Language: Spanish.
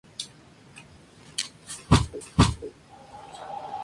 El ballet "Red Giselle" está inspirado en ella.